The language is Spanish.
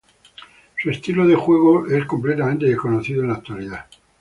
Su estilo de juego es completamente desconocido en la actualidad.